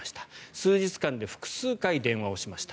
数日間で複数回電話をしました。